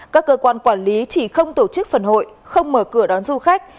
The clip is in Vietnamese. các cơ quan quản lý chỉ không tổ chức phần hội không mở cửa đón du khách